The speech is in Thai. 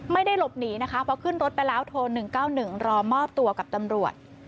ไม่ได้หลบหนีนะคะเพราะขึ้นรถไปแล้วโทร๑๙๑รอมอบตัวกับตำรวจ